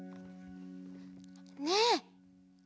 ねえ。